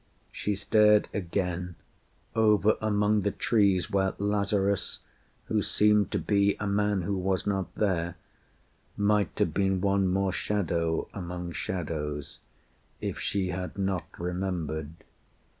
She stared again Over among the trees where Lazarus, Who seemed to be a man who was not there, Might have been one more shadow among shadows, If she had not remembered.